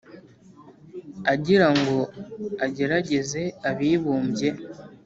Agira ngo agerageze Abibumbye